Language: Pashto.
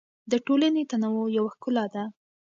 د ټولنې تنوع یو ښکلا ده.